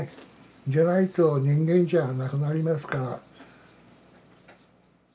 じゃないと人間じゃあなくなりますから。